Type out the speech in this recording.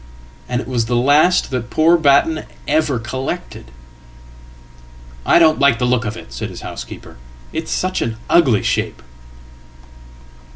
And it was the last that poor Batten ever collected.""I don't like the look of it," said his housekeeper. "It's such an uglyshape.""